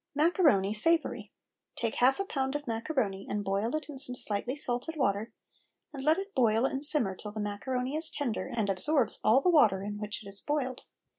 MACARONI, SAVOURY. Take half a pound of macaroni and boil it in some slightly salted water, and let it boil and simmer till the macaroni is tender and absorbs all the water in which it is boiled.